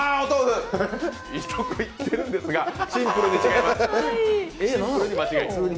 いいとこいってるんですが、シンプルに間違い。